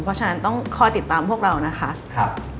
เพราะฉะนั้นต้องคอยติดตามพวกเรานะคะ